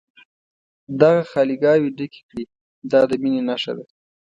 دغه خالي ګاوې ډکې کړي دا د مینې نښه ده.